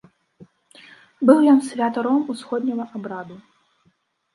Быў ён святаром усходняга абраду.